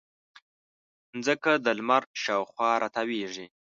مځکه د لمر شاوخوا تاوېږي.